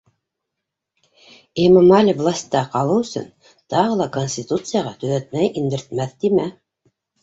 Эмомали власта ҡалыу өсөн тағы ла конституцияға төҙәтмә индертмәҫ тимә.